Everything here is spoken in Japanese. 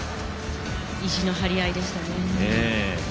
意地の張り合いでしたね。